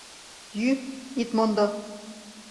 — Йӱ, ит мондо!